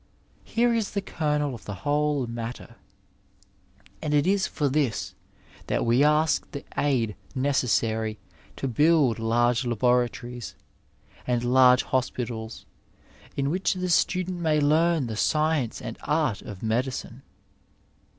Here is the kernel of the whole matter, and it is for this that we ask the aid necessary to build large laboratories and large hospitals in which the student may learn the science and art of medicine.